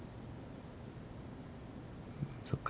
そっか。